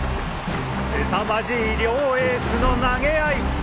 凄まじい両エースの投げ合い！